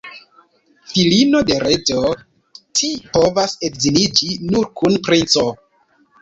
Filino de reĝo, ci povas edziniĝi nur kun princo.